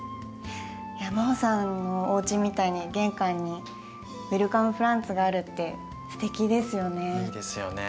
いや真穂さんのおうちみたいに玄関にウェルカムプランツがあるってすてきですよね。